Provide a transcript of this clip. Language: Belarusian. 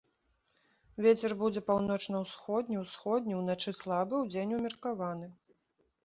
Вецер будзе паўночна-ўсходні, усходні, уначы слабы, удзень умеркаваны.